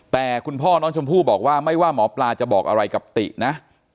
แต่คุณพ่อน้องชมพู่บอกว่าไม่ว่าหมอปลาจะบอกอะไรกับตินะ